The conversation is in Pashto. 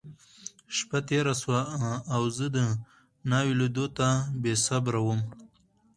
شپه تېره شوه، او زه د ناوې لیدو ته بېصبره وم.